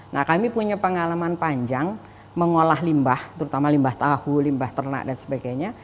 nah kami punya pengalaman panjang mengolah limbah terutama limbah tahu limbah ternak dan sebagainya